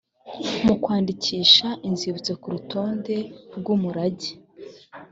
mu kwandikisha inzibutso ku rutonde rw umurage